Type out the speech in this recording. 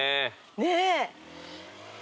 ねえ。